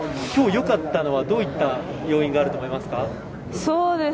今日よかったのはどういった要因があると思いますか？